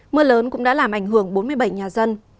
mưa lớn cũng đã làm ảnh hưởng bốn mươi bảy nhà dân